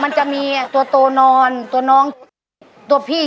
มันจะมีตัวโตนอนตัวน้องตัวพี่